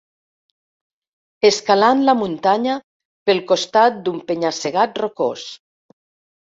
Escalant la muntanya pel costat d'un penya-segat rocós.